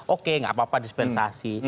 oke nggak apa apa dispensasi